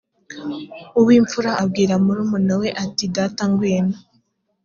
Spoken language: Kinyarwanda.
uw imfura abwira murumuna we ati data ngwino